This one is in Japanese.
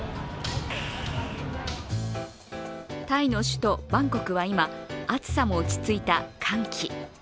タイの首都バンコクは今、暑さも落ち着いた乾季。